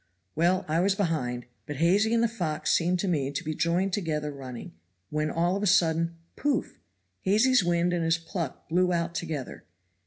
Well, I was behind, but Hazy and the fox seemed to me to be joined together running, when all of a sudden pouff! Hazy's wind and his pluck blew out together.